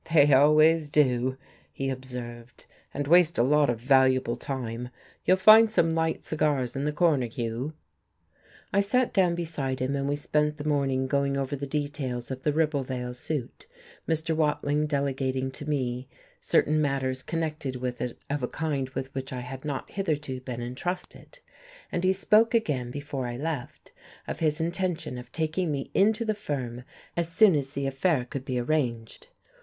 "They always do," he observed, "and waste a lot of valuable time. You'll find some light cigars in the corner, Hugh." I sat down beside him and we spent the morning going over the details of the Ribblevale suit, Mr. Watling delegating to me certain matters connected with it of a kind with which I had not hitherto been entrusted; and he spoke again, before I left, of his intention of taking me into the firm as soon as the affair could be arranged.